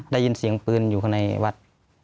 ได้ยินเสียงปืนอยู่ข้างในวัด